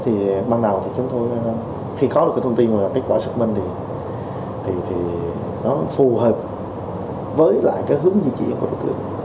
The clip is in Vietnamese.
thế thì ban đầu chúng tôi khi có được thông tin về kết quả xác minh thì nó phù hợp với lại hướng di chuyển của đối tượng